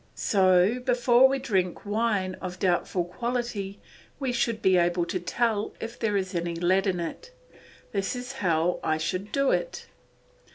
So before we drink wine of doubtful quality we should be able to tell if there is lead in it. This is how I should do it.